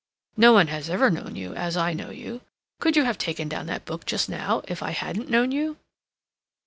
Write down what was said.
No one has ever known you as I know you.... Could you have taken down that book just now if I hadn't known you?"